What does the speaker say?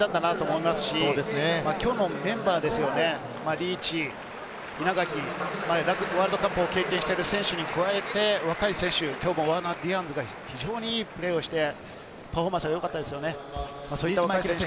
今日のメンバーですよね、リーチ、稲垣、ワールドカップを経験している選手に加えて若い選手、ワーナー・ディアンズが非常にいいプレーをして、パフォーマンスが良かったですよね。